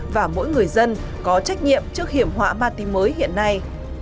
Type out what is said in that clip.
và mỗi người dân có trách nhiệm trước hiểm họa ma túy mới hiện nay